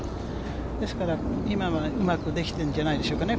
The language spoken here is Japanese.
ですから、今はうまくできてるんじゃないですかね